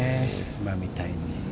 今みたいに。